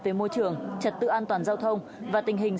về môi trường trật tự an toàn giao thông và tình hình